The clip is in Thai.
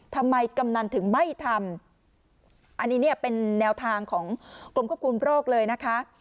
กำนันถึงไม่ทำอันนี้เนี่ยเป็นแนวทางของกรมควบคุมโรคเลยนะคะ